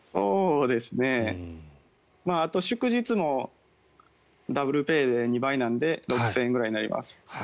あと祝日もダブルペイで２倍なので６０００円ぐらいになります。